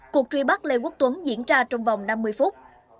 cuộc truy bắt lê quốc tuấn diễn ra trong vòng năm mươi phút